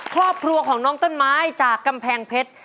ครอบครัวของน้องต้นไม้จากกำแพงเพชร